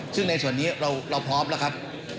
ซึ่งในส่วนนี้เราพร้อมแล้วครับ